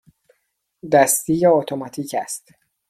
دستی یا اتوماتیک است؟